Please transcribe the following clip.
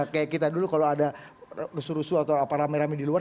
kayak kita dulu kalau ada rusuh rusuh atau apa rame rame di luar